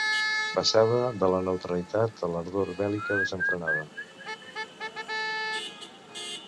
Passava de la neutralitat a l'ardor bèl·lica desenfrenada.